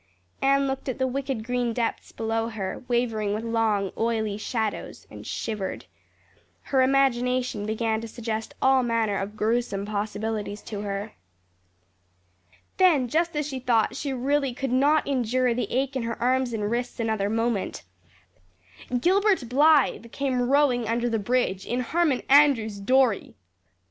Anne looked at the wicked green depths below her, wavering with long, oily shadows, and shivered. Her imagination began to suggest all manner of gruesome possibilities to her. Then, just as she thought she really could not endure the ache in her arms and wrists another moment, Gilbert Blythe came rowing under the bridge in Harmon Andrews's dory!